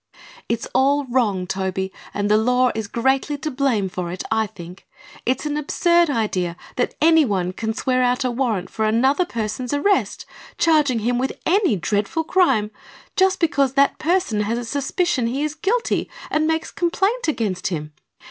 "It's all wrong, Toby, and the law is greatly to blame for it, I think. It's an absurd idea that anyone can swear out a warrant for another person's arrest, charging him with any dreadful crime, just because that person has a suspicion he is guilty, and makes complaint against him.